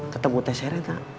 ketemu teh syarik tak